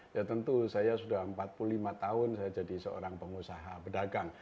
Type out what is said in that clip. ya tentu saya sudah empat puluh lima tahun saya jadi seorang pengusaha pedagang